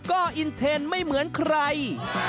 ก็อินเทนไม่เหมือนใคร